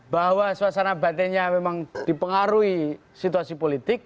bahwa suasana batinnya memang dipengaruhi situasi politik